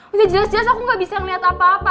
udah jelas jelas aku gak bisa liat apa apa